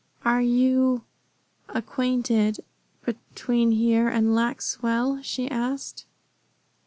"Are you ... acquainted ... between here and Lac Seul?" she asked.